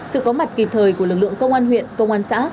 sự có mặt kịp thời của lực lượng công an huyện công an xã